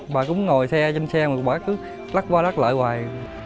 bà cũng ngồi xe trên xe mà bà cứ lắc qua lắc lại hoài